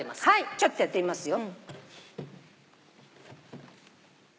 ちょっとやってみますよ。